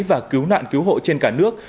và cứu nạn cứu hộ trên cả nước